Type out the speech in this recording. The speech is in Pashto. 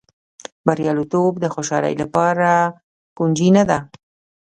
بریالیتوب د خوشالۍ لپاره کونجي نه ده.